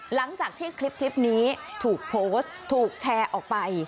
หลังจากที่คลิปนี้ถูกโพสต์ถูกแชร์ออกไป